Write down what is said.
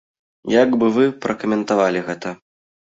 Як бы вы пракаментавалі гэта?